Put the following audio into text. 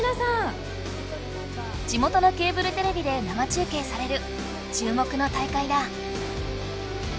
地元のケーブルテレビで生中けいされる注目の大会だ！